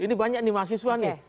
ini banyak nih mahasiswa nih